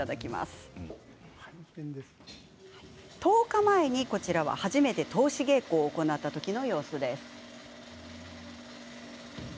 こちらは、１０日前、初めて通し稽古を行った時の様子です。